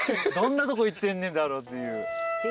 どんなとこ行ってんねんだろうっていう。